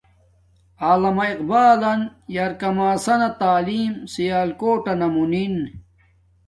علامہ اقبالن یرکامسنا تعلیم سیالکوٹنا مونن